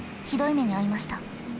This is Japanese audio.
ひどい目に遭いました。